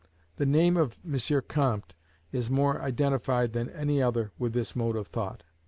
The name of M. Comte is more identified than any other with this mode of thought.